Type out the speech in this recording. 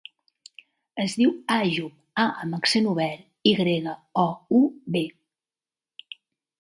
Es diu Àyoub: a amb accent obert, i grega, o, u, be.